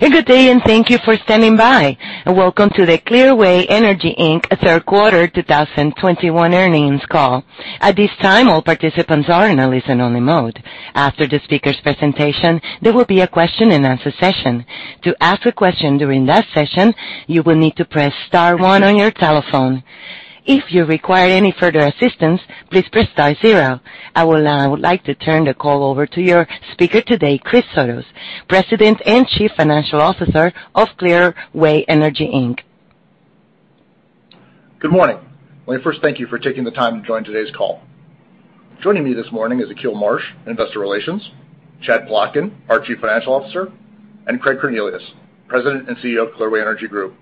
Good day, and thank you for standing by, and welcome to the Clearway Energy, Inc. third quarter 2021 earnings call. At this time, all participants are in a listen-only mode. After the speaker's presentation, there will be a question and answer session. To ask a question during that session, you will need to press star one on your telephone. If you require any further assistance, please press star zero. I would like to turn the call over to your speaker today, Chris Sotos, President and Chief Financial Officer of Clearway Energy, Inc. Good morning. Let me first thank you for taking the time to join today's call. Joining me this morning is Akil Marsh, Investor Relations, Chad Plotkin, our Chief Financial Officer, and Craig Cornelius, President and CEO of Clearway Energy Group.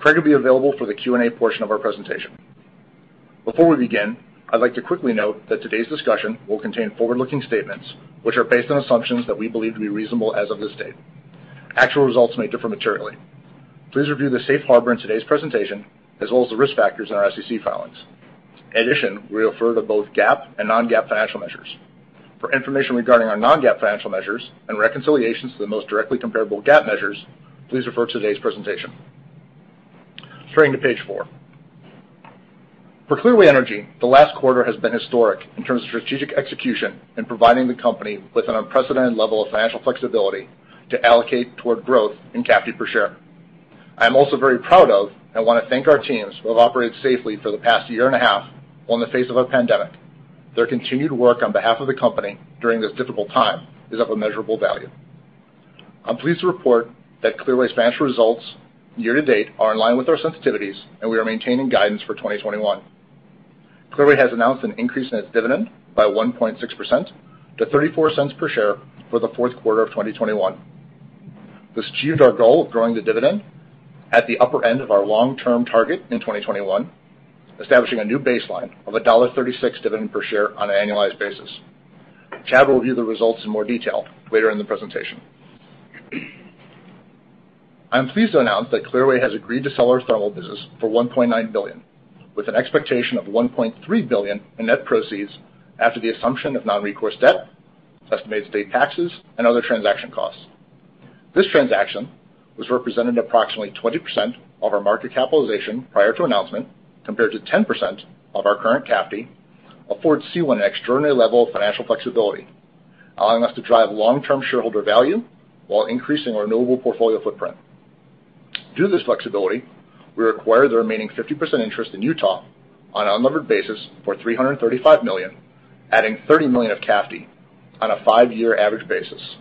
Craig will be available for the Q&A portion of our presentation. Before we begin, I'd like to quickly note that today's discussion will contain forward-looking statements which are based on assumptions that we believe to be reasonable as of this date. Actual results may differ materially. Please review the Safe Harbor in today's presentation as well as the risk factors in our SEC filings. In addition, we refer to both GAAP and non-GAAP financial measures. For information regarding our non-GAAP financial measures and reconciliations to the most directly comparable GAAP measures, please refer to today's presentation. Turning to page four. For Clearway Energy, the last quarter has been historic in terms of strategic execution in providing the company with an unprecedented level of financial flexibility to allocate toward growth in CAFD per share. I'm also very proud of and wanna thank our teams who have operated safely for the past year and a half in the face of a pandemic. Their continued work on behalf of the company during this difficult time is of immeasurable value. I'm pleased to report that Clearway's financial results year to date are in line with our sensitivities, and we are maintaining guidance for 2021. Clearway has announced an increase in its dividend by 1.6% to $0.34 per share for the fourth quarter of 2021. This achieved our goal of growing the dividend at the upper end of our long-term target in 2021, establishing a new baseline of $1.36 dividend per share on an annualized basis. Chad will review the results in more detail later in the presentation. I am pleased to announce that Clearway has agreed to sell our thermal business for $1.9 billion, with an expectation of $1.3 billion in net proceeds after the assumption of non-recourse debt, estimated state taxes, and other transaction costs. This transaction has represented approximately 20% of our market capitalization prior to announcement, compared to 10% of our current CAFD, affords an extraordinary level of financial flexibility, allowing us to drive long-term shareholder value while increasing our renewable portfolio footprint. Due to this flexibility, we acquired the remaining 50% interest in Utah on an unlevered basis for $335 million, adding $30 million of CAFD on a five-year average basis,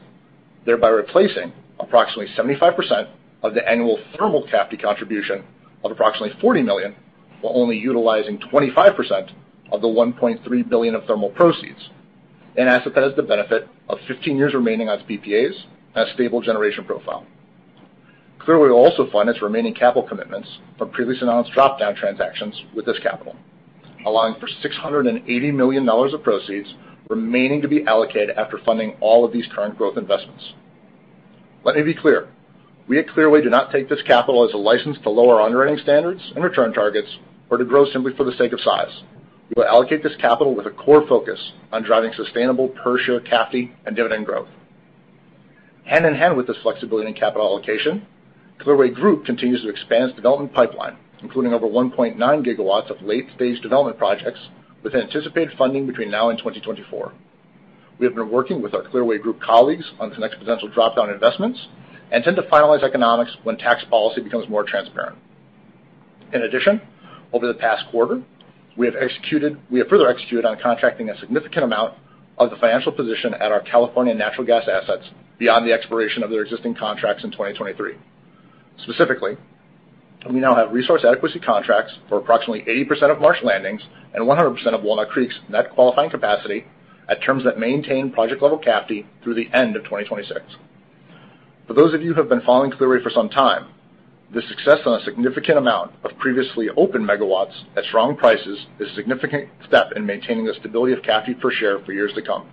thereby replacing approximately 75% of the annual thermal CAFD contribution of approximately $40 million, while only utilizing 25% of the $1.3 billion of thermal proceeds, and the asset has the benefit of 15 years remaining on its PPAs and a stable generation profile. Clearway will also fund its remaining capital commitments from previously announced drop-down transactions with this capital, allowing for $680 million of proceeds remaining to be allocated after funding all of these current growth investments. Let me be clear. We at Clearway do not take this capital as a license to lower our underwriting standards and return targets or to grow simply for the sake of size. We will allocate this capital with a core focus on driving sustainable per share CAFD and dividend growth. Hand in hand with this flexibility in capital allocation, Clearway Group continues to expand its development pipeline, including over 1.9 GW of late-stage development projects with anticipated funding between now and 2024. We have been working with our Clearway Group colleagues on these next potential drop-down investments and tend to finalize economics when tax policy becomes more transparent. In addition, over the past quarter, we have further executed on contracting a significant amount of the financial position at our California natural gas assets beyond the expiration of their existing contracts in 2023. Specifically, we now have resource adequacy contracts for approximately 80% of Marsh Landing's and 100% of Walnut Creek's net qualifying capacity at terms that maintain project-level CAFD through the end of 2026. For those of you who have been following Clearway for some time, the success on a significant amount of previously open megawatts at strong prices is a significant step in maintaining the stability of CAFD per share for years to come.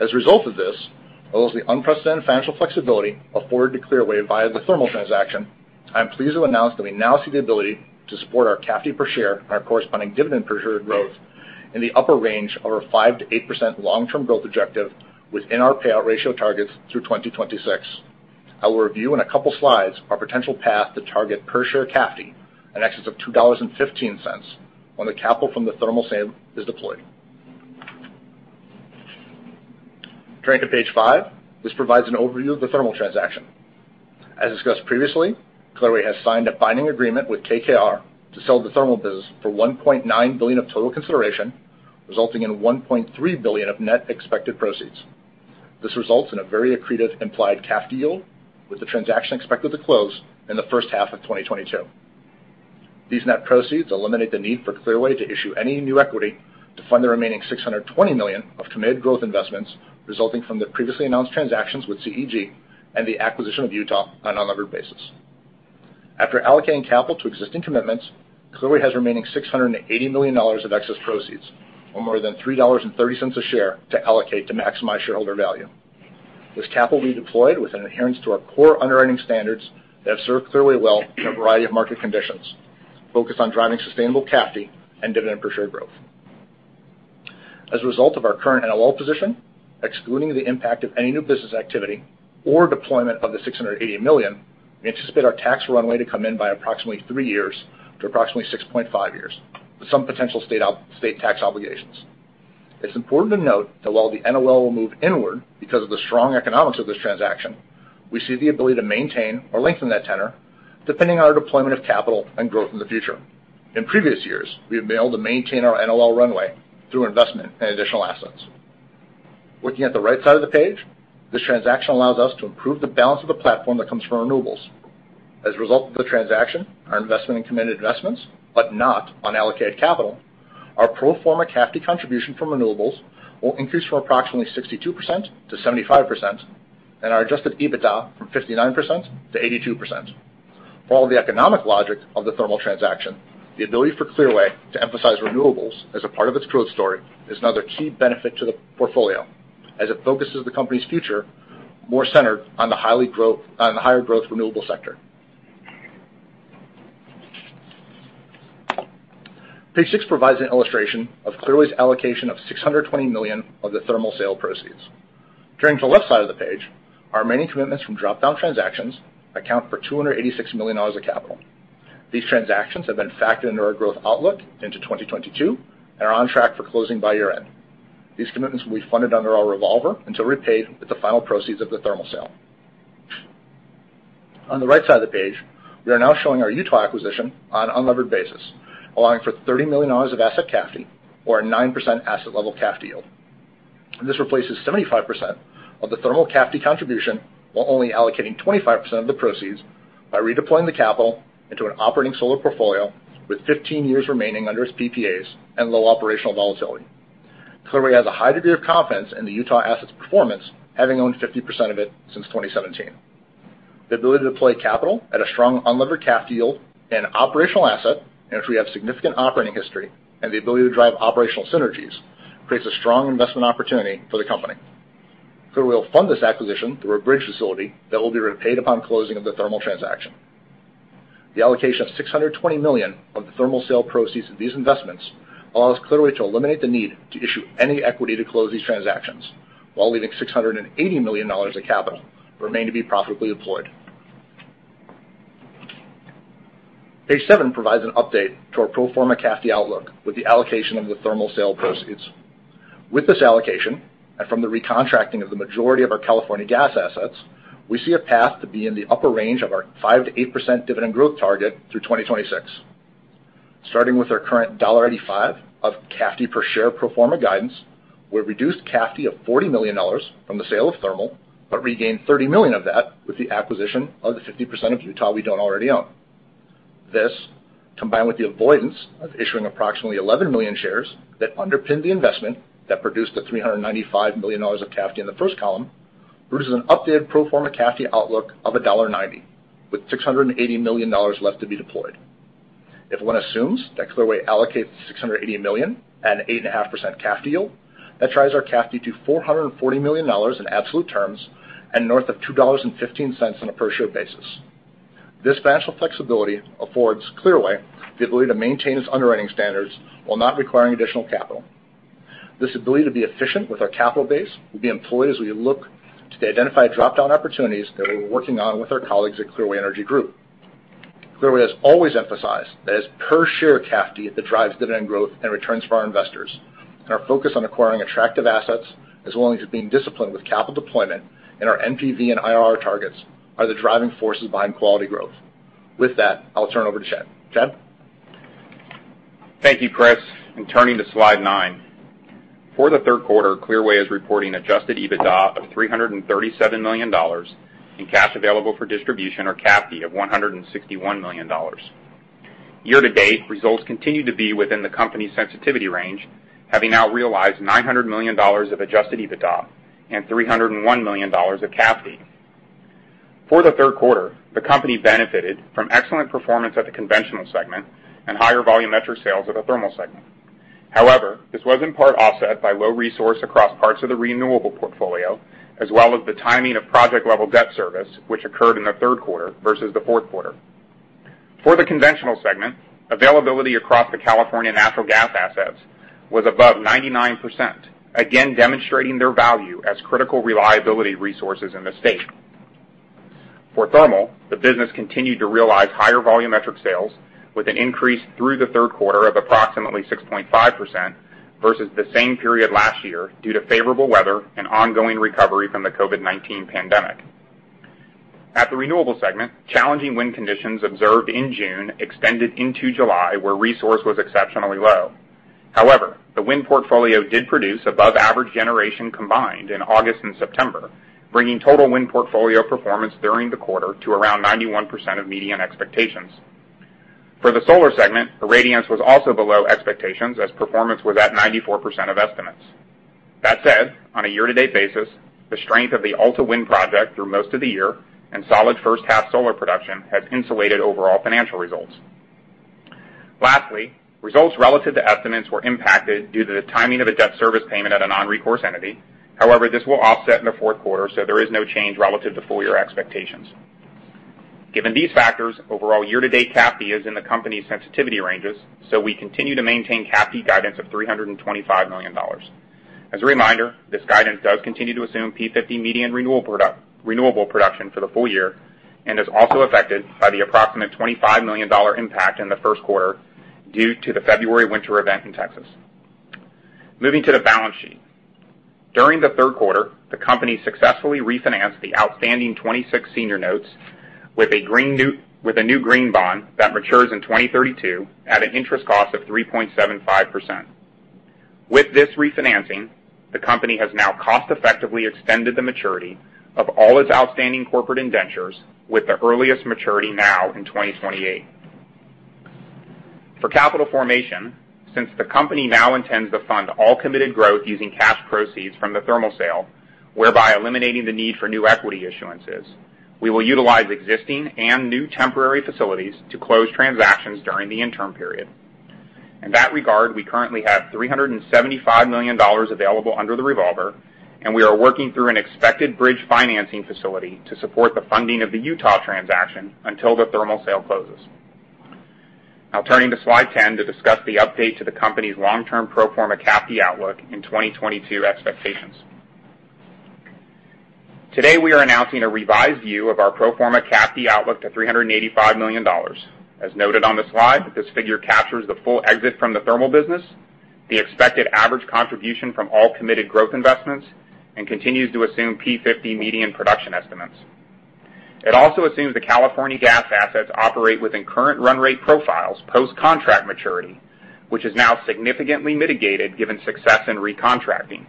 As a result of this, as well as the unprecedented financial flexibility afforded to Clearway via the thermal transaction, I'm pleased to announce that we now see the ability to support our CAFD per share and our corresponding dividend per share growth in the upper range of our 5%-8% long-term growth objective within our payout ratio targets through 2026. I will review in a couple slides our potential path to target per share CAFD in excess of $2.15 when the capital from the thermal sale is deployed. Turning to page five. This provides an overview of the thermal transaction. As discussed previously, Clearway has signed a binding agreement with KKR to sell the thermal business for $1.9 billion of total consideration, resulting in $1.3 billion of net expected proceeds. This results in a very accretive implied CAFD yield, with the transaction expected to close in the first half of 2022. These net proceeds eliminate the need for Clearway to issue any new equity to fund the remaining $620 million of committed growth investments resulting from the previously announced transactions with CEG and the acquisition of Utah on an unlevered basis. After allocating capital to existing commitments, Clearway has remaining $680 million of excess proceeds, or more than $3.30 a share to allocate to maximize shareholder value. This capital will be deployed with an adherence to our core underwriting standards that have served Clearway well in a variety of market conditions, focused on driving sustainable CAFD and dividend per share growth. As a result of our current NOL position, excluding the impact of any new business activity or deployment of the $680 million, we anticipate our tax runway to come in by approximately three years to approximately Six and half years, with some potential state tax obligations. It's important to note that while the NOL will move inward because of the strong economics of this transaction, we see the ability to maintain or lengthen that tenor depending on our deployment of capital and growth in the future. In previous years, we have been able to maintain our NOL runway through investment in additional assets. Looking at the right side of the page, this transaction allows us to improve the balance of the platform that comes from renewables. As a result of the transaction, our investment in committed investments, but not on allocated capital, our pro forma CAFD contribution from renewables will increase from approximately 62%-75% and our adjusted EBITDA from 59%-82%. For all the economic logic of the thermal transaction, the ability for Clearway to emphasize renewables as a part of its growth story is another key benefit to the portfolio, as it focuses the company's future more centered on the higher growth renewable sector. Page six provides an illustration of Clearway's allocation of $620 million of the thermal sale proceeds. Turning to the left side of the page, our remaining commitments from drop-down transactions account for $286 million of capital. These transactions have been factored into our growth outlook into 2022 and are on track for closing by year-end. These commitments will be funded under our revolver until repaid with the final proceeds of the thermal sale. On the right side of the page, we are now showing our Utah acquisition on an unlevered basis, allowing for $30 million of asset CAFD or a 9% asset level CAFD yield. This replaces 75% of the thermal CAFD contribution, while only allocating 25% of the proceeds by redeploying the capital into an operating solar portfolio with 15 years remaining under its PPAs and low operational volatility. Clearway has a high degree of confidence in the Utah asset's performance, having owned 50% of it since 2017. The ability to deploy capital at a strong unlevered CAFD yield and operational asset entry have significant operating history, and the ability to drive operational synergies creates a strong investment opportunity for the company. Clearway will fund this acquisition through a bridge facility that will be repaid upon closing of the thermal transaction. The allocation of $620 million of the thermal sale proceeds of these investments allows Clearway to eliminate the need to issue any equity to close these transactions, while leaving $680 million of capital remain to be profitably deployed. Page seven provides an update to our pro forma CAFD outlook with the allocation of the thermal sale proceeds. With this allocation, and from the recontracting of the majority of our California gas assets, we see a path to be in the upper range of our 5%-8% dividend growth target through 2026. Starting with our current $1.85 of CAFD per share pro forma guidance, we've reduced CAFD of $40 million from the sale of thermal, but regained $30 million of that with the acquisition of the 50% of Utah we don't already own. This, combined with the avoidance of issuing approximately 11 million shares that underpin the investment that produced the $395 million of CAFD in the first column, produces an updated pro forma CAFD outlook of $1.90, with $680 million left to be deployed. If one assumes that Clearway allocates $680 million at an 8.5% CAFD yield, that drives our CAFD to $440 million in absolute terms and north of $2.15 on a per share basis. This financial flexibility affords Clearway the ability to maintain its underwriting standards while not requiring additional capital. This ability to be efficient with our capital base will be employed as we look to identify drop-down opportunities that we're working on with our colleagues at Clearway Energy Group. Clearway has always emphasized that it's per share CAFD that drives dividend growth and returns for our investors, and our focus on acquiring attractive assets, as well as being disciplined with capital deployment and our NPV and IRR targets, are the driving forces behind quality growth. With that, I'll turn over to Chad. Chad? Thank you, Chris. Turning to slide nine. For the third quarter, Clearway is reporting adjusted EBITDA of $337 million and cash available for distribution, or CAFD, of $161 million. Year to date, results continue to be within the company's sensitivity range, having now realized $900 million of adjusted EBITDA and $301 million of CAFD. For the third quarter, the company benefited from excellent performance at the conventional segment and higher volumetric sales at the thermal segment. However, this was in part offset by low resource across parts of the renewable portfolio, as well as the timing of project-level debt service, which occurred in the third quarter versus the fourth quarter. For the conventional segment, availability across the California natural gas assets was above 99%, again demonstrating their value as critical reliability resources in the state. For thermal, the business continued to realize higher volume metric sales with an increase through the third quarter of approximately 6.5% versus the same period last year due to favorable weather and ongoing recovery from the COVID-19 pandemic. At the renewable segment, challenging wind conditions observed in June extended into July, where resource was exceptionally low. However, the wind portfolio did produce above average generation combined in August and September, bringing total wind portfolio performance during the quarter to around 91% of median expectations. For the solar segment, irradiance was also below expectations as performance was at 94% of estimates. That said, on a year-to-date basis, the strength of the Alta wind project through most of the year and solid first half solar production has insulated overall financial results. Lastly, results relative to estimates were impacted due to the timing of a debt service payment at a non-recourse entity. However, this will offset in the fourth quarter, so there is no change relative to full year expectations. Given these factors, overall year-to-date CAFD is in the company's sensitivity ranges, so we continue to maintain CAFD guidance of $325 million. As a reminder, this guidance does continue to assume P50 median renewable production for the full year and is also affected by the approximate $25 million impact in the first quarter due to the February winter event in Texas. Moving to the balance sheet. During the third quarter, the company successfully refinanced the outstanding 2.6% senior notes with a new green bond that matures in 2032 at an interest cost of 3.75%. With this refinancing, the company has now cost effectively extended the maturity of all its outstanding corporate indentures with the earliest maturity now in 2028. For capital formation, since the company now intends to fund all committed growth using cash proceeds from the thermal sale, whereby eliminating the need for new equity issuances, we will utilize existing and new temporary facilities to close transactions during the interim period. In that regard, we currently have $375 million available under the revolver, and we are working through an expected bridge financing facility to support the funding of the Utah transaction until the thermal sale closes. Now turning to slide 10 to discuss the update to the company's long-term pro forma CAFD outlook and 2022 expectations. Today, we are announcing a revised view of our pro forma CAFD outlook to $385 million. As noted on the slide, this figure captures the full exit from the thermal business, the expected average contribution from all committed growth investments, and continues to assume P50 median production estimates. It also assumes the California gas assets operate within current run rate profiles post-contract maturity, which is now significantly mitigated given success in recontracting.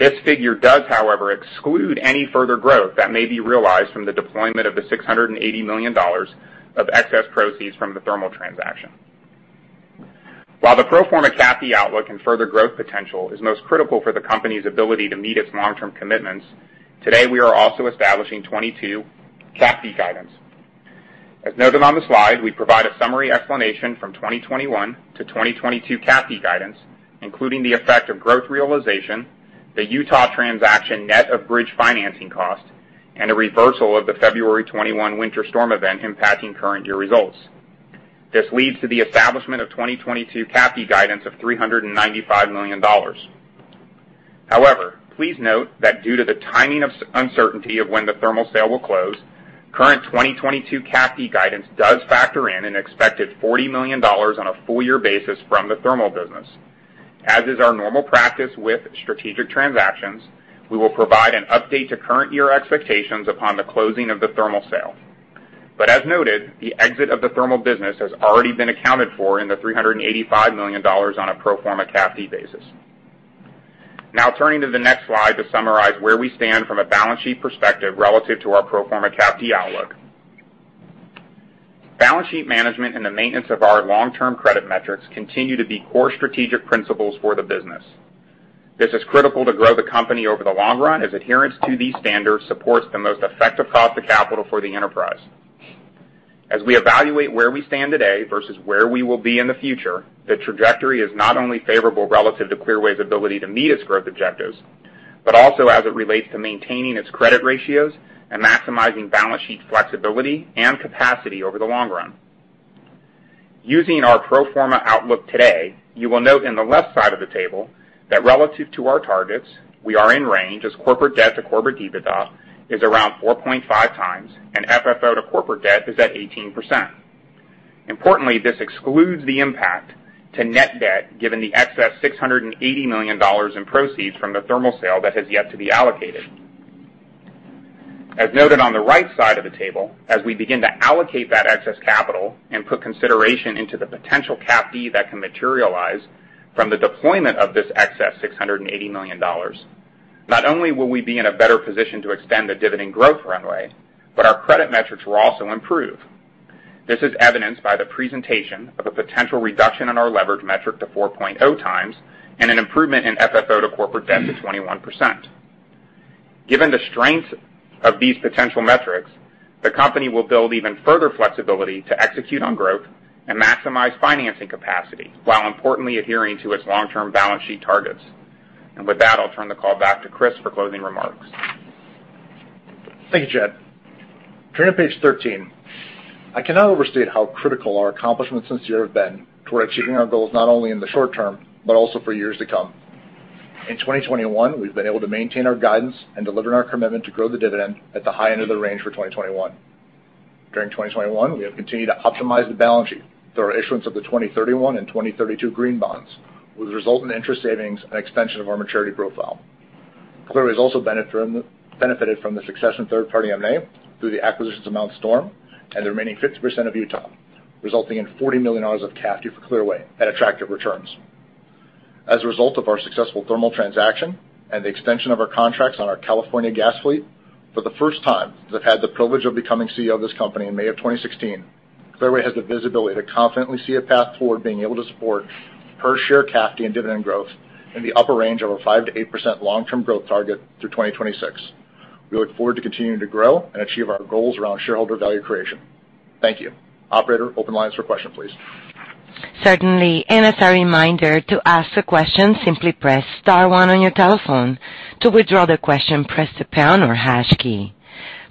This figure does, however, exclude any further growth that may be realized from the deployment of the $680 million of excess proceeds from the thermal transaction. While the pro forma CAFD outlook and further growth potential is most critical for the company's ability to meet its long-term commitments, today we are also establishing 2022 CAFD guidance. As noted on the slide, we provide a summary explanation from 2021-2022 CAFD guidance, including the effect of growth realization, the Utah transaction net of bridge financing costs, and a reversal of the February 2021 winter storm event impacting current year results. This leads to the establishment of 2022 CAFD guidance of $395 million. However, please note that due to the timing and uncertainty of when the thermal sale will close, current 2022 CAFD guidance does factor in an expected $40 million on a full year basis from the thermal business. As is our normal practice with strategic transactions, we will provide an update to current year expectations upon the closing of the thermal sale. As noted, the exit of the thermal business has already been accounted for in the $385 million on a pro forma CAFD basis. Now turning to the next slide to summarize where we stand from a balance sheet perspective relative to our pro forma CAFD outlook. Balance sheet management and the maintenance of our long-term credit metrics continue to be core strategic principles for the business. This is critical to grow the company over the long run, as adherence to these standards supports the most effective cost of capital for the enterprise. As we evaluate where we stand today versus where we will be in the future, the trajectory is not only favorable relative to Clearway's ability to meet its growth objectives, but also as it relates to maintaining its credit ratios and maximizing balance sheet flexibility and capacity over the long run. Using our pro forma outlook today, you will note in the left side of the table that relative to our targets, we are in range as corporate debt to corporate EBITDA is around 4.5x, and FFO to corporate debt is at 18%. Importantly, this excludes the impact to net debt given the excess $680 million in proceeds from the thermal sale that has yet to be allocated. As noted on the right side of the table, as we begin to allocate that excess capital and put consideration into the potential CAFD that can materialize from the deployment of this excess $680 million, not only will we be in a better position to extend the dividend growth runway, but our credit metrics will also improve. This is evidenced by the presentation of a potential reduction in our leverage metric to 4.0x and an improvement in FFO to corporate debt to 21%. Given the strength of these potential metrics, the company will build even further flexibility to execute on growth and maximize financing capacity while importantly adhering to its long-term balance sheet targets. With that, I'll turn the call back to Chris for closing remarks. Thank you, Chad. Turning to page 13. I cannot overstate how critical our accomplishments this year have been toward achieving our goals, not only in the short term, but also for years to come. In 2021, we've been able to maintain our guidance and deliver on our commitment to grow the dividend at the high end of the range for 2021. During 2021, we have continued to optimize the balance sheet through our issuance of the 2031 and 2032 green bonds, which result in interest savings and extension of our maturity profile. Clearway has also benefited from the success in third-party M&A through the acquisitions of Mount Storm and the remaining 50% of Utah, resulting in $40 million of CAFD for Clearway at attractive returns. As a result of our successful thermal transaction and the extension of our contracts on our California gas fleet, for the first time since becoming CEO of this company in May 2016, Clearway has the visibility to confidently see a path toward being able to support per share CAFD and dividend growth in the upper range of a 5%-8% long-term growth target through 2026. We look forward to continuing to grow and achieve our goals around shareholder value creation. Thank you. Operator, open lines for questions, please. Certainly. As a reminder to ask a question, simply press star one on your telephone. To withdraw the question, press the pound or hash key.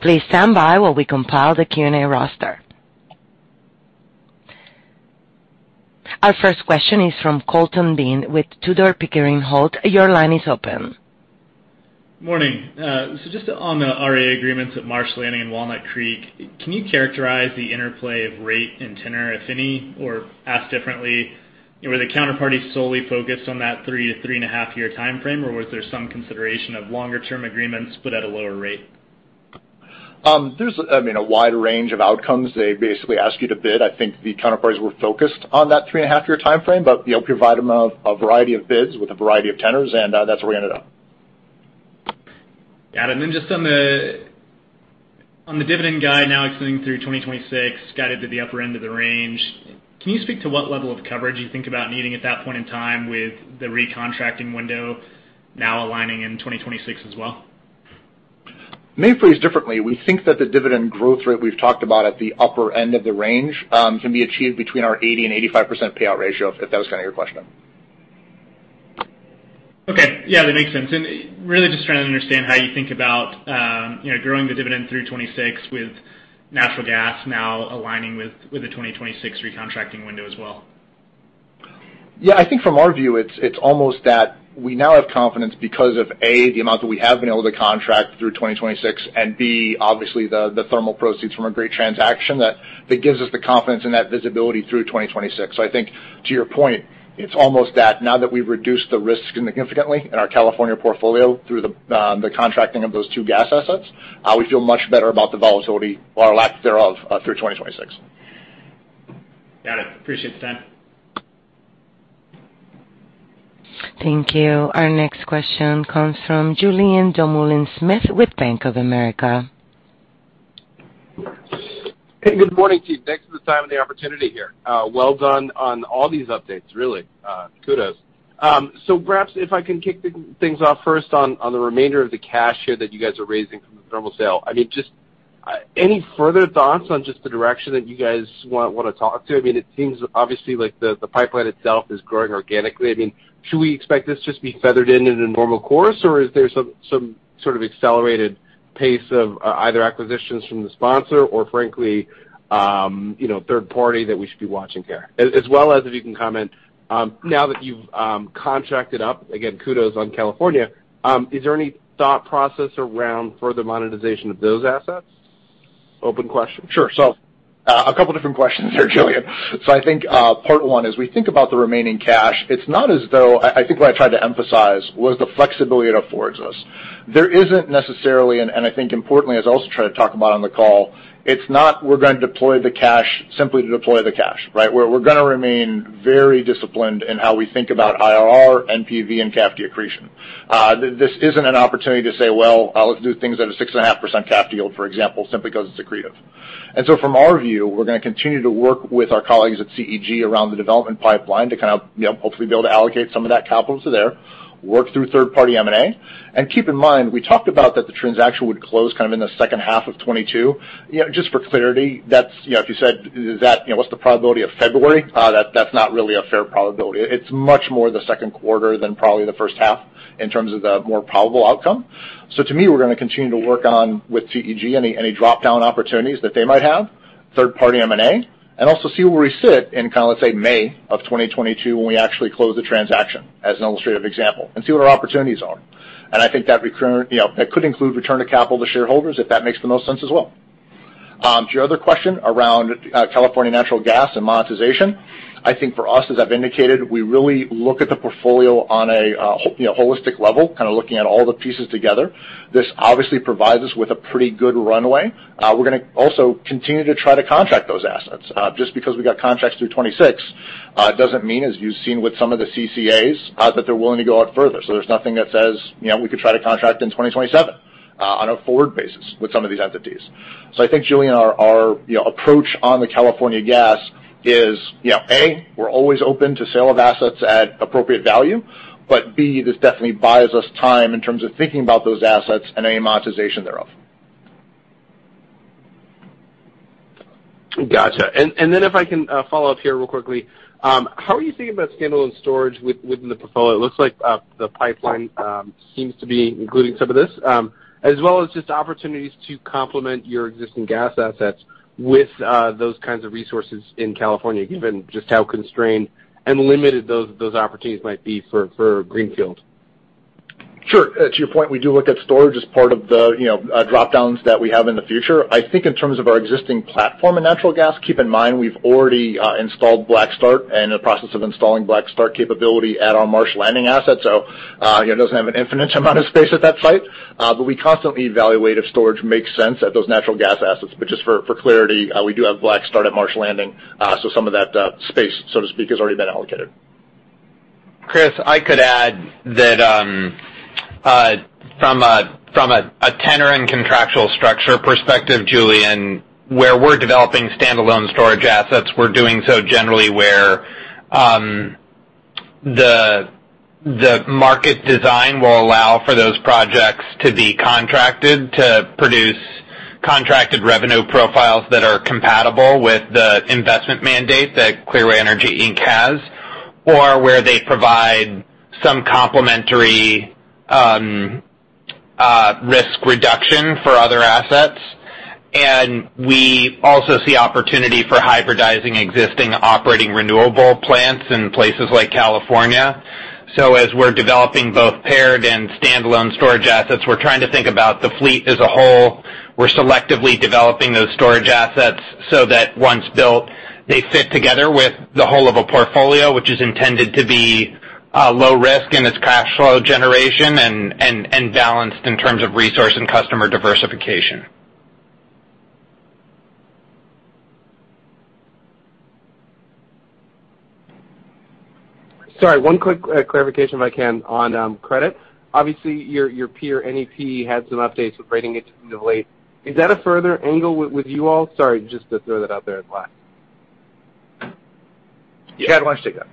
Please stand by while we compile the Q&A roster. Our first question is from Colton Bean with Tudor, Pickering, Holt & Co. Your line is open. Morning. Just on the RA agreements at Marsh Landing and Walnut Creek, can you characterize the interplay of rate and tenor, if any? Or asked differently, were the counterparty solely focused on that three to three and half year time frame, or was there some consideration of longer term agreements but at a lower rate? I mean, there's a wide range of outcomes. They basically ask you to bid. I think the counterparties were focused on that three and half year time frame, but you know, provide them a variety of bids with a variety of tenors, and that's where we ended up. Got it. Just on the dividend guide now extending through 2026, guided to the upper end of the range, can you speak to what level of coverage you think about needing at that point in time with the recontracting window now aligning in 2026 as well? May I phrase differently. We think that the dividend growth rate we've talked about at the upper end of the range can be achieved between our 80%-85% payout ratio, if that was kind of your question. Okay. Yeah, that makes sense. Really just trying to understand how you think about growing the dividend through 2026 with natural gas now aligning with the 2026 recontracting window as well. Yeah, I think from our view, it's almost that we now have confidence because of A, the amount that we have been able to contract through 2026, and B, obviously the thermal proceeds from a great transaction that gives us the confidence and that visibility through 2026. I think to your point, it's almost that now that we've reduced the risk significantly in our California portfolio through the contracting of those two gas assets, we feel much better about the volatility or lack thereof through 2026. Got it. Appreciate the time. Thank you. Our next question comes from Julien Dumoulin-Smith with Bank of America. Hey, good morning, team. Thanks for the time and the opportunity here. Well done on all these updates, really. Kudos. So perhaps if I can kick things off first on the remainder of the cash here that you guys are raising from the thermal sale. I mean, just any further thoughts on just the direction that you guys want to talk to? I mean, it seems obviously like the pipeline itself is growing organically. I mean, should we expect this to just be feathered in in a normal course, or is there some sort of accelerated pace of either acquisitions from the sponsor or frankly, you know, third party that we should be watching here? As well as if you can comment, now that you've contracted up, again, kudos on California, is there any thought process around further monetization of those assets? Open question. Sure. A couple different questions there, Julien. I think part one, as we think about the remaining cash, it's not as though I think what I tried to emphasize was the flexibility it affords us. There isn't necessarily, and I think importantly, as I also tried to talk about on the call, it's not we're going to deploy the cash simply to deploy the cash, right? We're gonna remain very disciplined in how we think about IRR, NPV, and CAFD accretion. This isn't an opportunity to say, well, let's do things at a 6.5% CAFD yield, for example, simply because it's accretive. From our view, we're gonna continue to work with our colleagues at CEG around the development pipeline to kind of, you know, hopefully be able to allocate some of that capital to there, work through third-party M&A. Keep in mind, we talked about that the transaction would close kind of in the second half of 2022. You know, just for clarity, that's, you know, if you said is that, you know, what's the probability of February, that's not really a fair probability. It's much more the second quarter than probably the first half in terms of the more probable outcome. To me, we're gonna continue to work on with CEG any drop-down opportunities that they might have, third-party M&A, and also see where we sit in kinda, let's say, May of 2022, when we actually close the transaction as an illustrative example and see what our opportunities are. I think that return, you know, that could include return to capital to shareholders, if that makes the most sense as well. To your other question around California natural gas and monetization. I think for us, as I've indicated, we really look at the portfolio on a you know, holistic level, kinda looking at all the pieces together. This obviously provides us with a pretty good runway. We're gonna also continue to try to contract those assets. Just because we got contracts through 2026 doesn't mean, as you've seen with some of the CCAs, that they're willing to go out further. There's nothing that says, you know, we could try to contract in 2027 on a forward basis with some of these entities. I think, Julien, our approach on the California gas is, you know, A, we're always open to sale of assets at appropriate value, but B, this definitely buys us time in terms of thinking about those assets and any monetization thereof. Gotcha. If I can follow up here real quickly. How are you thinking about standalone storage within the portfolio? It looks like the pipeline seems to be including some of this as well as just opportunities to complement your existing gas assets with those kinds of resources in California, given just how constrained and limited those opportunities might be for greenfield. Sure. To your point, we do look at storage as part of the, you know, drop-downs that we have in the future. I think in terms of our existing platform in natural gas, keep in mind, we've already installed black start and in the process of installing black start capability at our Marsh Landing asset. It doesn't have an infinite amount of space at that site, but we constantly evaluate if storage makes sense at those natural gas assets. Just for clarity, we do have black start at Marsh Landing, so some of that space, so to speak, has already been allocated. Chris, I could add that, from a tenor and contractual structure perspective, Julien, where we're developing standalone storage assets, we're doing so generally where The market design will allow for those projects to be contracted to produce contracted revenue profiles that are compatible with the investment mandate that Clearway Energy, Inc. has, or where they provide some complementary risk reduction for other assets. We also see opportunity for hybridizing existing operating renewable plants in places like California. As we're developing both paired and standalone storage assets, we're trying to think about the fleet as a whole. We're selectively developing those storage assets so that once built, they fit together with the whole of a portfolio, which is intended to be low risk in its cash flow generation and balanced in terms of resource and customer diversification. Sorry, one quick clarification if I can on credit. Obviously, your peer, NEP, had some updates with rating downgrade. Is that a further angle with you all? Sorry, just to throw that out there at last. Yeah. Chad, why don't you take that?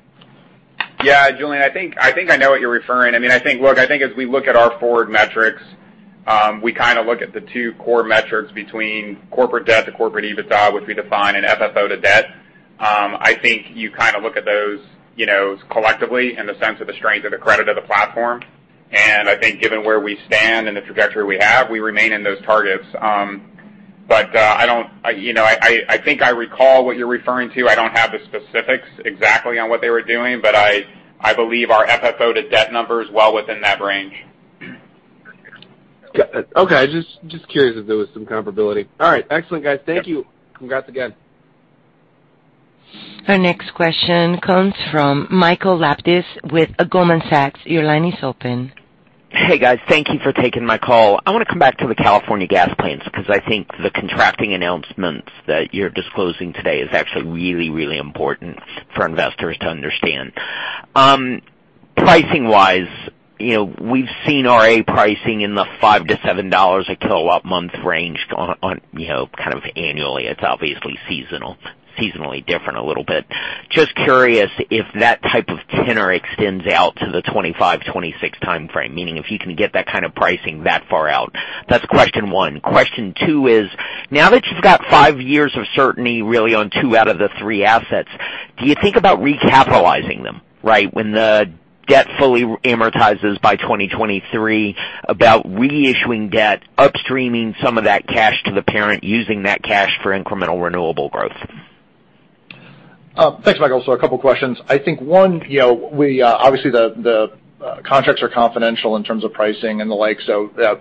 Yeah, Julien, I think I know what you're referring to. I mean, I think as we look at our forward metrics, we kinda look at the two core metrics between corporate debt to corporate EBITDA, which we define in FFO to debt. I think you kinda look at those, you know, collectively in the sense of the strength of the credit of the platform. I think given where we stand and the trajectory we have, we remain in those targets. But I don't, you know, I think I recall what you're referring to. I don't have the specifics exactly on what they were doing, but I believe our FFO to debt number is well within that range. Okay. Just curious if there was some comparability. All right. Excellent, guys. Thank you. Congrats again. Our next question comes from Michael Lapides with Goldman Sachs. Your line is open. Hey, guys. Thank you for taking my call. I wanna come back to the California gas plants because I think the contracting announcements that you're disclosing today is actually really, really important for investors to understand. Pricing-wise, you know, we've seen RA pricing in the $5-$7 a kilowatt month range on, you know, kind of annually. It's obviously seasonally different a little bit. Just curious if that type of tenor extends out to the 2025-2026 timeframe, meaning if you can get that kind of pricing that far out. That's question one. Question two is, now that you've got five years of certainty really on two out of the three assets, do you think about recapitalizing them, right, when the debt fully amortizes by 2023, about reissuing debt, upstreaming some of that cash to the parent, using that cash for incremental renewable growth? Thanks, Michael. A couple questions. I think one, you know, we obviously the contracts are confidential in terms of pricing and the like,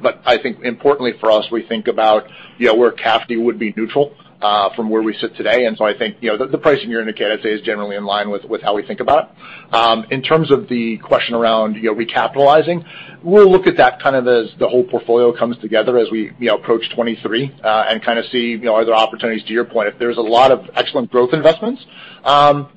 but I think importantly for us, we think about, you know, where CAFD would be neutral from where we sit today. I think, you know, the pricing you're indicating, I'd say, is generally in line with how we think about it. In terms of the question around, you know, recapitalizing, we'll look at that kind of as the whole portfolio comes together as we, you know, approach 2023 and kind of see, you know, are there opportunities to your point. If there's a lot of excellent growth investments,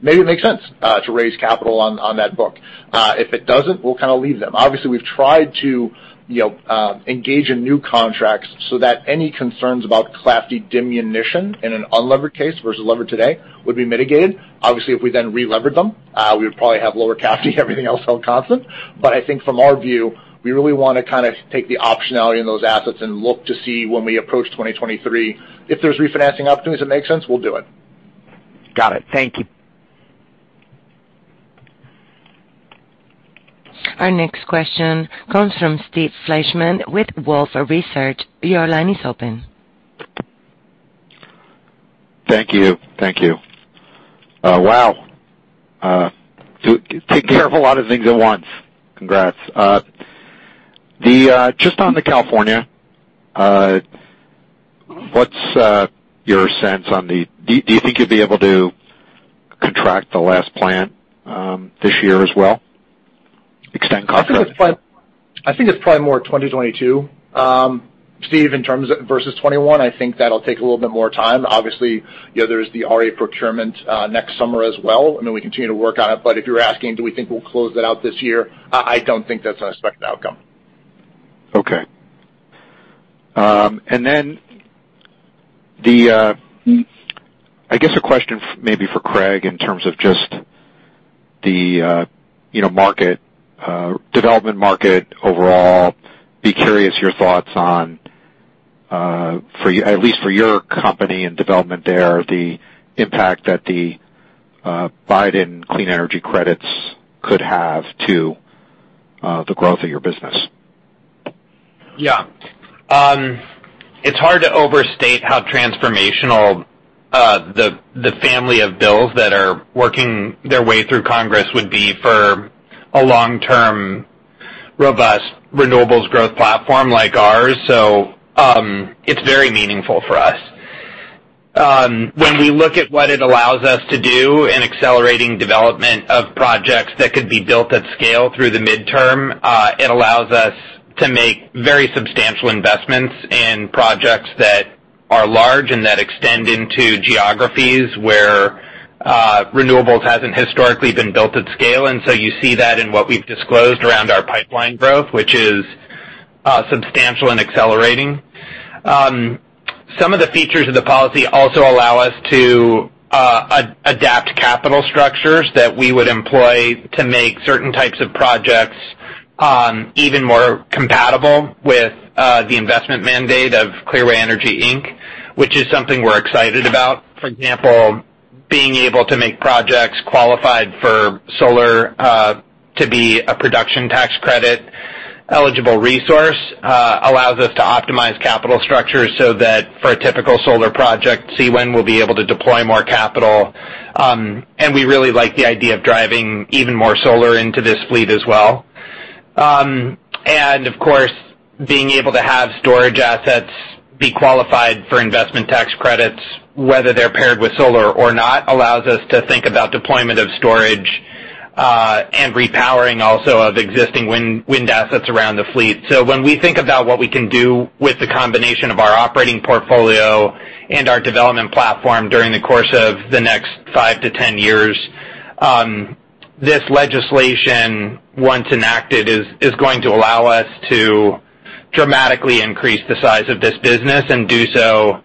maybe it makes sense to raise capital on that book. If it doesn't, we'll kind of leave them. Obviously, we've tried to, you know, engage in new contracts so that any concerns about CAFD diminution in an unlevered case versus levered today would be mitigated. Obviously, if we then relevered them, we would probably have lower CAFD, everything else held constant. But I think from our view, we really wanna kind of take the optionality in those assets and look to see when we approach 2023. If there's refinancing opportunities that make sense, we'll do it. Got it. Thank you. Our next question comes from Steve Fleishman with Wolfe Research. Your line is open. Thank you. Wow. Taking care of a lot of things at once. Congrats. Just on the California, what's your sense? Do you think you'll be able to contract the last plant this year as well? Extend contracts? I think it's probably more 2022, Steve, in terms of versus 2021. I think that'll take a little bit more time. Obviously, you know, there's the RA procurement next summer as well, and then we continue to work on it. If you're asking, do we think we'll close that out this year? I don't think that's an expected outcome. Okay. I guess a question maybe for Craig in terms of just the you know market development market overall. I'd be curious your thoughts on at least for your company and development there, the impact that the Biden clean energy credits could have on the growth of your business. Yeah. It's hard to overstate how transformational the family of bills that are working their way through Congress would be for a long-term, robust renewables growth platform like ours. It's very meaningful for us. When we look at what it allows us to do in accelerating development of projects that could be built at scale through the midterm, it allows us to make very substantial investments in projects that are large and that extend into geographies where renewables hasn't historically been built at scale. You see that in what we've disclosed around our pipeline growth, which is substantial and accelerating. Some of the features of the policy also allow us to, adapt capital structures that we would employ to make certain types of projects, even more compatible with, the investment mandate of Clearway Energy, Inc., which is something we're excited about. For example, being able to make projects qualified for solar, to be a production tax credit-eligible resource, allows us to optimize capital structure so that for a typical solar project, CWEN will be able to deploy more capital. We really like the idea of driving even more solar into this fleet as well. Of course, being able to have storage assets be qualified for investment tax credits, whether they're paired with solar or not, allows us to think about deployment of storage, and repowering also of existing wind assets around the fleet. When we think about what we can do with the combination of our operating portfolio and our development platform during the course of the next five to 10 years, this legislation, once enacted, is going to allow us to dramatically increase the size of this business and do so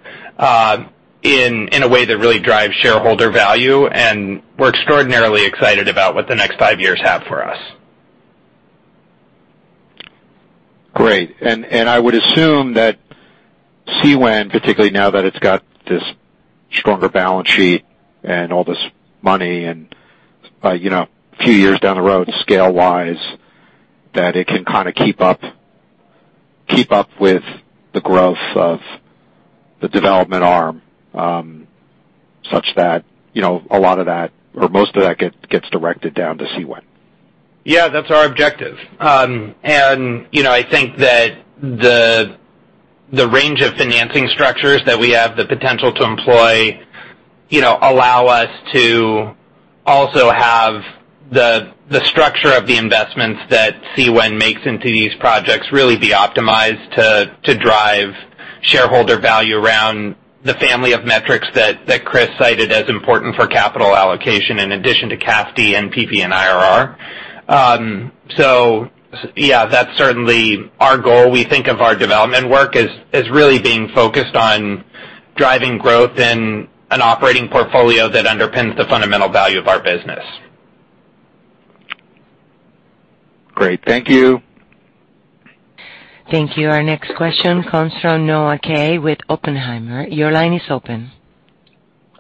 in a way that really drives shareholder value. We're extraordinarily excited about what the next 5 years have for us. Great. I would assume that CWEN, particularly now that it's got this stronger balance sheet and all this money and, you know, a few years down the road scale-wise, that it can kinda keep up with the growth of the development arm, such that, you know, a lot of that or most of that gets directed down to CWEN. Yeah, that's our objective. I think that the range of financing structures that we have the potential to employ allow us to also have the structure of the investments that CWEN makes into these projects really be optimized to drive shareholder value around the family of metrics that Chris cited as important for capital allocation in addition to CAFD and NPV and IRR. Yeah, that's certainly our goal. We think of our development work as really being focused on driving growth in an operating portfolio that underpins the fundamental value of our business. Great. Thank you. Thank you. Our next question comes from Noah Kaye with Oppenheimer. Your line is open.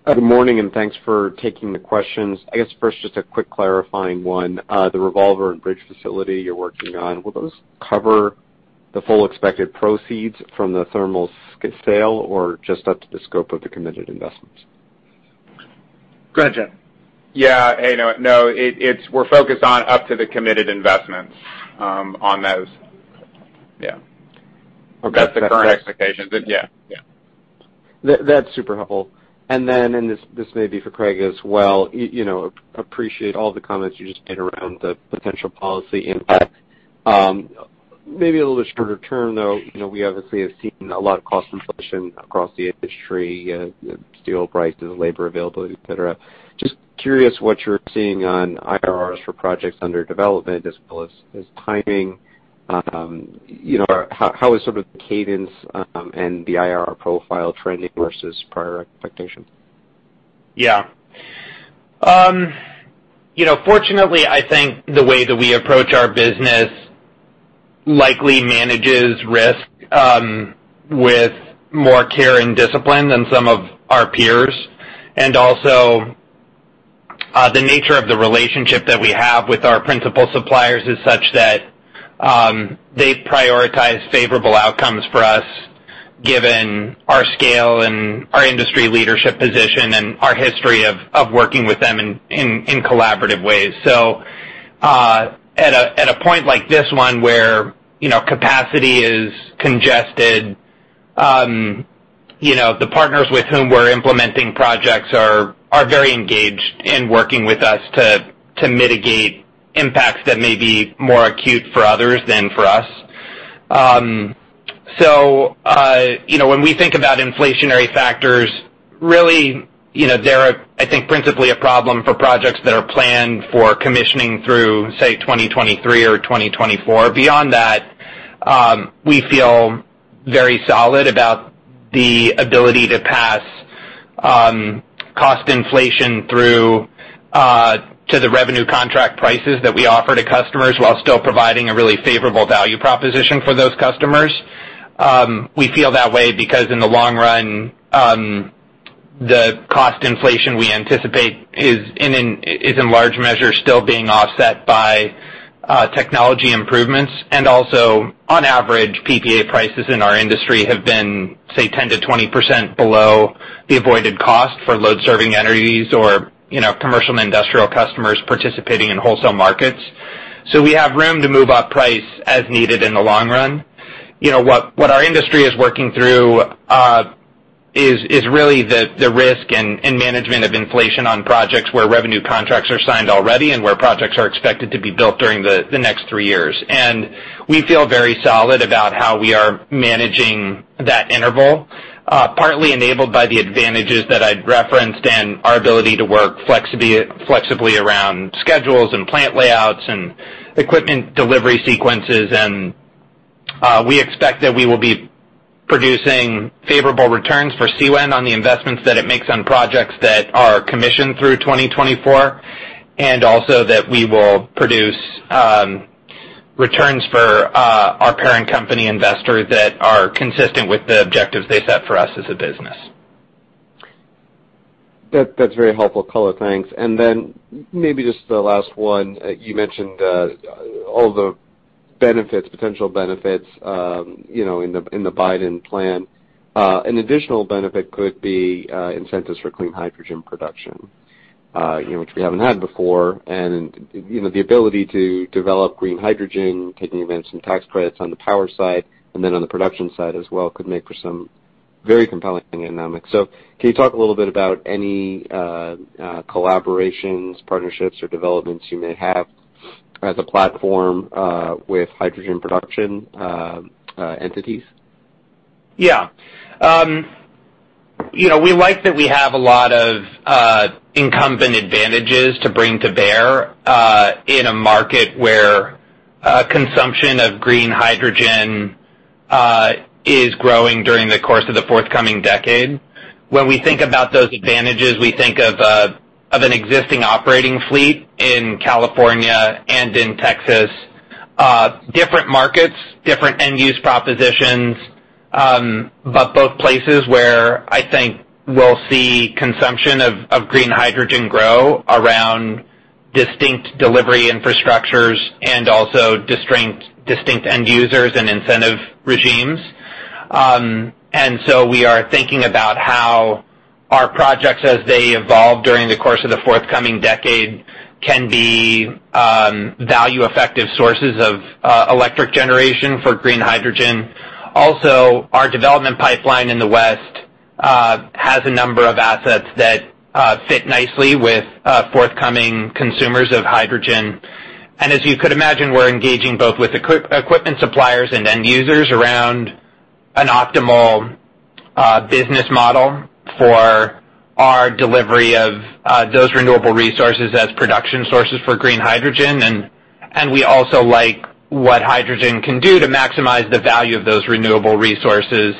Good morning, and thanks for taking the questions. I guess first, just a quick clarifying one. The revolver and bridge facility you're working on, will those cover the full expected proceeds from the thermal sale, or just up to the scope of the committed investments? Go ahead, Chad. Yeah. Hey, Noah. No, it's we're focused on up to the committed investments, on those. Yeah. Okay. That's the current expectation. Yeah. Yeah. That's super helpful. This may be for Craig as well, you know, appreciate all the comments you just made around the potential policy impact. Maybe a little bit shorter term, though, you know, we obviously have seen a lot of cost inflation across the industry, steel prices, labor availability, et cetera. Just curious what you're seeing on IRRs for projects under development as well as timing, you know, how is sort of the cadence, and the IRR profile trending versus prior expectations? Yeah. You know, fortunately, I think the way that we approach our business likely manages risk with more care and discipline than some of our peers. Also, the nature of the relationship that we have with our principal suppliers is such that they prioritize favorable outcomes for us, given our scale and our industry leadership position and our history of working with them in collaborative ways. At a point like this one where, you know, capacity is congested, you know, the partners with whom we're implementing projects are very engaged in working with us to mitigate impacts that may be more acute for others than for us. You know, when we think about inflationary factors, really, you know, they're, I think, principally a problem for projects that are planned for commissioning through, say, 2023 or 2024. Beyond that, we feel very solid about the ability to pass cost inflation through to the revenue contract prices that we offer to customers while still providing a really favorable value proposition for those customers. We feel that way because in the long run, the cost inflation we anticipate is in large measure still being offset by technology improvements. Also, on average, PPA prices in our industry have been, say, 10%-20% below the avoided cost for load-serving entities or, you know, commercial and industrial customers participating in wholesale markets. We have room to move up price as needed in the long run. You know, what our industry is working through is really the risk and management of inflation on projects where revenue contracts are signed already and where projects are expected to be built during the next three years. We feel very solid about how we are managing that interval, partly enabled by the advantages that I'd referenced and our ability to work flexibly around schedules and plant layouts and equipment delivery sequences. We expect that we will be producing favorable returns for CWEN on the investments that it makes on projects that are commissioned through 2024, and also that we will produce returns for our parent company investors that are consistent with the objectives they set for us as a business. That, that's very helpful color. Thanks. Maybe just the last one. You mentioned all the benefits, potential benefits, you know, in the Biden plan. An additional benefit could be incentives for clean hydrogen production, you know, which we haven't had before. The ability to develop green hydrogen, taking advantage of some tax credits on the power side and then on the production side as well could make for some very compelling economics. Can you talk a little bit about any collaborations, partnerships, or developments you may have as a platform with hydrogen production entities? Yeah. You know, we like that we have a lot of incumbent advantages to bring to bear in a market where consumption of green hydrogen is growing during the course of the forthcoming decade. When we think about those advantages, we think of an existing operating fleet in California and in Texas. Different markets, different end use propositions, but both places where I think we'll see consumption of green hydrogen grow around distinct delivery infrastructures and also distinct end users and incentive regimes. We are thinking about how our projects, as they evolve during the course of the forthcoming decade, can be value-effective sources of electric generation for green hydrogen. Also, our development pipeline in the West has a number of assets that fit nicely with forthcoming consumers of hydrogen. As you could imagine, we're engaging both with equipment suppliers and end users around an optimal business model for our delivery of those renewable resources as production sources for green hydrogen. We also like what hydrogen can do to maximize the value of those renewable resources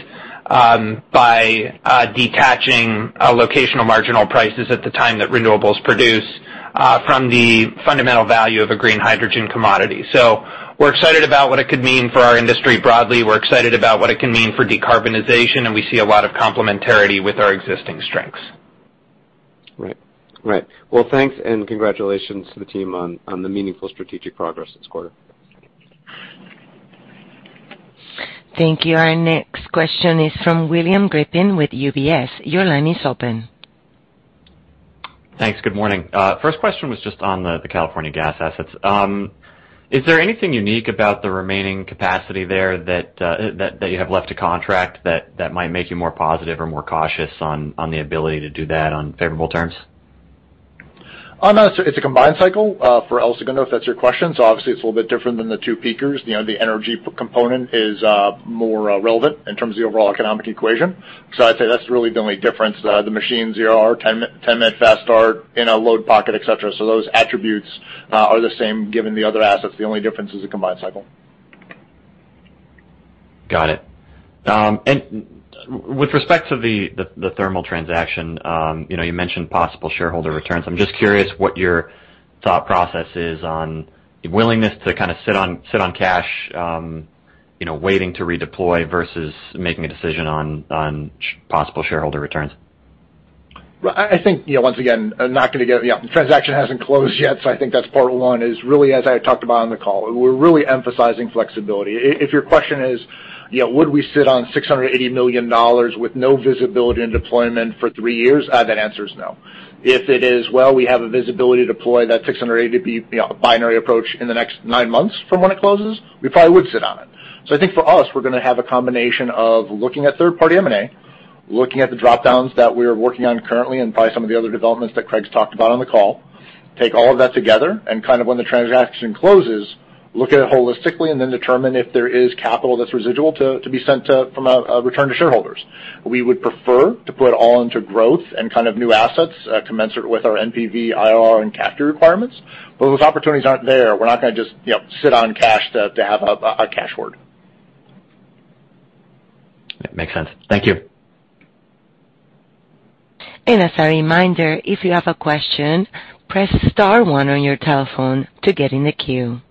by detaching locational marginal prices at the time that renewables produce from the fundamental value of a green hydrogen commodity. We're excited about what it could mean for our industry broadly, we're excited about what it can mean for decarbonization, and we see a lot of complementarity with our existing strengths. Right. Well, thanks, and congratulations to the team on the meaningful strategic progress this quarter. Thank you. Our next question is from William Grippin with UBS. Your line is open. Thanks. Good morning. First question was just on the California gas assets. Is there anything unique about the remaining capacity there that you have left to contract that might make you more positive or more cautious on the ability to do that on favorable terms? No, it's a combined cycle for El Segundo, if that's your question. Obviously it's a little bit different than the two peakers. The energy component is more relevant in terms of the overall economic equation. I'd say that's really the only difference. The machines are 10-minute fast start in a load pocket, et cetera. Those attributes are the same given the other assets. The only difference is the combined cycle. Got it. With respect to the thermal transaction, you know, you mentioned possible shareholder returns. I'm just curious what your thought process is on willingness to kinda sit on cash, you know, waiting to redeploy versus making a decision on possible shareholder returns. Yeah, the transaction hasn't closed yet, so I think that's part one. Really, as I talked about on the call, we're really emphasizing flexibility. If your question is, you know, would we sit on $680 million with no visibility in deployment for three years? That answer is no. If it is, well, we have visibility to deploy that $680 million, you know, a binary approach in the next nine months from when it closes, we probably would sit on it. I think for us, we're gonna have a combination of looking at third-party M&A, looking at the drop-downs that we're working on currently, and probably some of the other developments that Craig's talked about on the call, take all of that together, and kind of when the transaction closes, look at it holistically and then determine if there is capital that's residual to be returned to shareholders. We would prefer to put it all into growth and kind of new assets, commensurate with our NPV, IRR, and CAFD requirements. But if those opportunities aren't there, we're not gonna just, you know, sit on cash to have a cash hoard. Makes sense. Thank you. As a reminder, if you have a question, press star one on your telephone to get in the queue.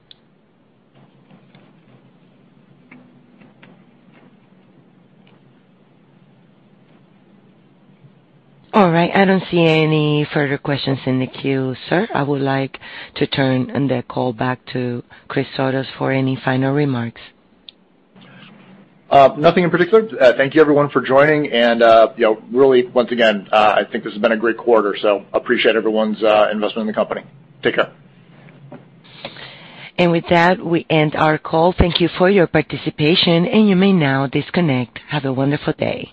All right. I don't see any further questions in the queue, sir. I would like to turn the call back to Chris Sotos for any final remarks. Nothing in particular. Thank you everyone for joining. You know, really once again, I think this has been a great quarter, so appreciate everyone's investment in the company. Take care. With that, we end our call. Thank you for your participation, and you may now disconnect. Have a wonderful day.